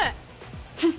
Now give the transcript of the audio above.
フッ！